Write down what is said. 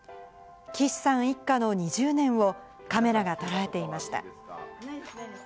岸さん一家の２０年をカメラが捉えていました。